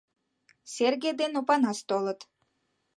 Серге ден Опанас толыт.